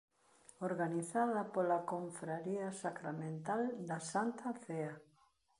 Organizada pola Confraría Sacramental da Santa Cea.